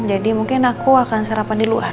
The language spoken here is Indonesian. jadi mungkin aku akan sarapan di luar